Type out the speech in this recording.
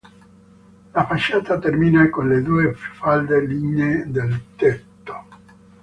La facciata termina con le due falde lignee del tetto.